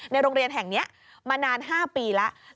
โรงเรียนแห่งนี้มานาน๕ปีแล้ว